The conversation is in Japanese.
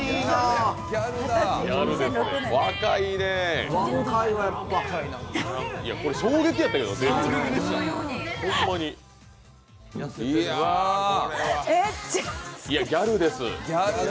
いや、ギャルです。